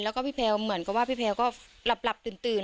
แล้วก็พี่แพลวเหมือนกับว่าพี่แพลวก็หลับตื่น